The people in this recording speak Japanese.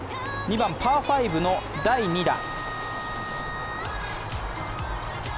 ２番パー５の第２打。